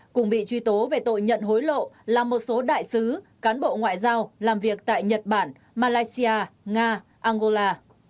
cùng bị truy tố về tội nhận hối lộ là một số đại sứ cán bộ ngoại giao làm việc tại nhật bản malaysia nga angola